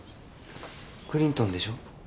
クリントンでしょ。